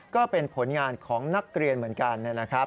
ก็เป็นผลงานของนักเรียนเหมือนกันนะครับ